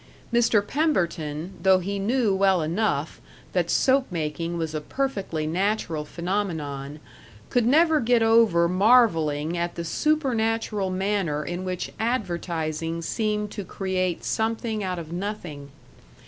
Mr. Pemberton, though he knew well enough that soap making was a perfectly natural phenomenon, could never get over marveling at the supernatural manner in which advertising seemed to create something out of nothing.